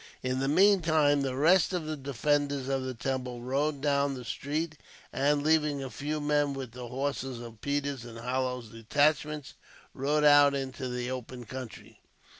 In the meantime, the rest of the defenders of the temple rode down the street and, leaving a few men with the horses of Peters' and Hallowes' detachments, rode out into the open country.